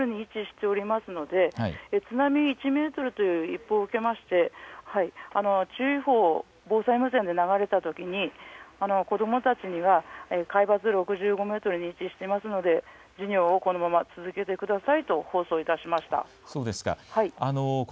富士中学校は海抜６０メートルに位置しているので津波１メートルという一報を受けて注意報、防災無線で流れたときに子どもたちには海抜６５メートルに位置していますので授業をこのまま続けてくださいと放送しました。